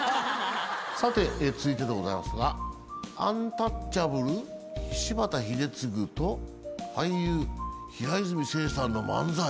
さて続いてでございますがアンタッチャブル柴田英嗣と俳優平泉成さんの漫才。